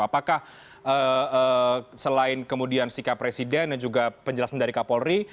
apakah selain kemudian sikap presiden dan juga penjelasan dari kapolri